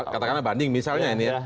katakanlah banding misalnya ini ya